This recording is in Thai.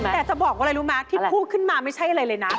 แต่จะบอกว่าอะไรรู้ไหมที่พูดขึ้นมาไม่ใช่อะไรเลยนะ